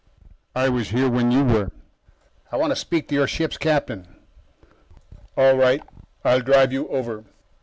"I was here when you were." "I want to speak to your ship's captain." "All right. I'll drive you over."